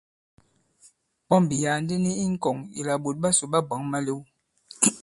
Pɔmbì ya᷅ ndī i ni i ŋkɔ̀ŋ ìlà ɓòt ɓasò ɓa bwǎŋ malew.